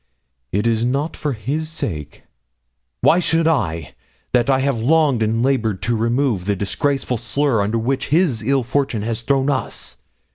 It is not for his sake why should I? that I have longed and laboured to remove the disgraceful slur under which his ill fortune has thrown us.